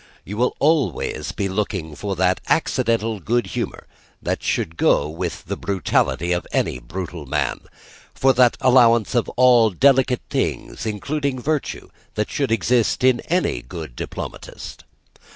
You will always be looking for that accidental good humour that should go with the brutality of any brutal man; for that allowance for all delicate things, including virtue, that should exist in any good diplomatist.